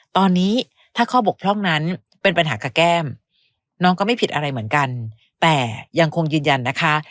ตอนนี้ถ้าข้อบกพร่องนั้นเป็นปัญหากับแก้มน้องก็ไม่ผิดอะไรเหมือนกันแต่ยังคงยืนยันนะคะ